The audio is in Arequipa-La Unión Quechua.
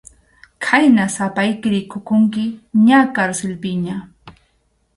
Khayna sapayki rikukunki ña karsilpiña.